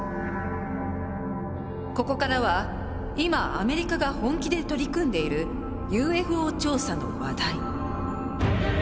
ここからは今アメリカが本気で取り組んでいるＵＦＯ調査の話題。